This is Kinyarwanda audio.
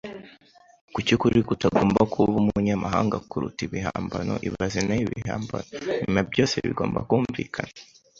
Kuki ukuri kutagomba kuba umunyamahanga kuruta ibihimbano ibaze naweIbihimbano, nyuma ya byose, bigomba kumvikana.